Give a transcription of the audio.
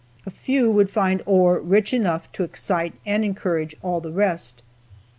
A few would find ore rich enough to excite and encourage all the rest.